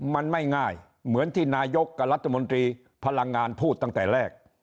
มันไม่ง่ายเหมือนที่นายกกับรัฐมนตรีพลังงานพูดตั้งแต่แรก